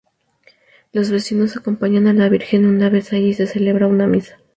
Los vecinos acompañan a la Virgen y una vez allí se celebra una Misa.